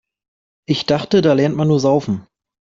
Ich dachte, da lernt man nur Saufen.